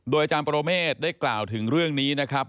อาจารย์ปรเมฆได้กล่าวถึงเรื่องนี้นะครับ